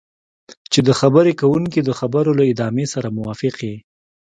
چې د خبرې کوونکي د خبرو له ادامې سره موافق یې.